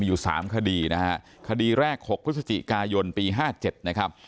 อยู่สามคดีนะฮะคดีแรก๖พฤศจิกายนปี๕๗นะครับ